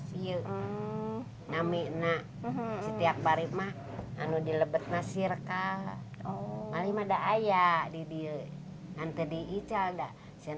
saya tidak bisa karena saya tidak bisa pesan